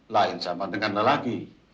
lain sama dengan lelaki